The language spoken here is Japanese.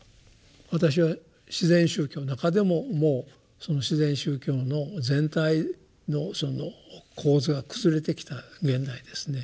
私は自然宗教の中でももう自然宗教の全体のその構図が崩れてきた現代ですね。